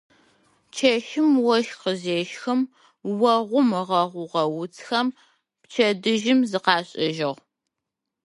Чэщым ощх къызещхым, огъум ыгъэгъугъэ уцхэм пчэдыжьым зыкъаӏэтыжьыгъ.